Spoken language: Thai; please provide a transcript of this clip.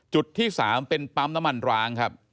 จุดที่๓เป็นปั๊มน้ำมันร้างครับ